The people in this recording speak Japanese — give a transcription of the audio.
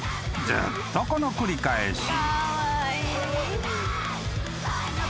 ずっとこの繰り返し］